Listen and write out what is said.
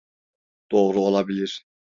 Doğru olabilir.